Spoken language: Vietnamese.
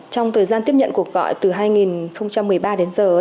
trong thời gian tiếp nhận cuộc gọi từ hai nghìn một mươi ba đến giờ